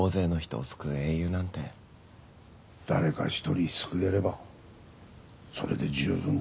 誰か一人救えればそれで十分だ。